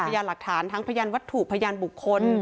พยานหลักฐานทั้งพยานวัตถุพยานบุคคล